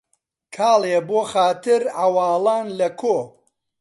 کاڵێ بۆ خاتر عەواڵان لە کۆ